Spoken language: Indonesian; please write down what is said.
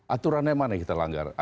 aturannya mana yang kita langgar